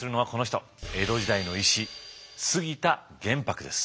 江戸時代の医師杉田玄白です。